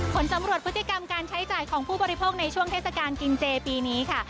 ผลสำรวจพฤติกรรมการใช้จ่ายของผู้บริโภคในช่วงเทศกาลกินเจปีนี้ค่ะ